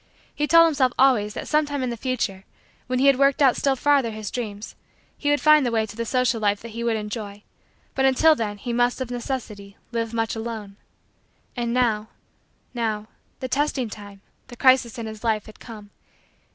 He told himself, always, that sometime in the future, when he had worked out still farther his dreams, he would find the way to the social life that he would enjoy but until then, he must, of necessity, live much alone. And now now the testing time the crisis in his life had come.